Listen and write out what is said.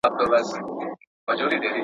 د دېوال شا ته پراته دي څو غيرانه.